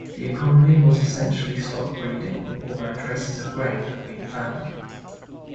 The economy was essentially stock-breeding, although traces of grain have been found.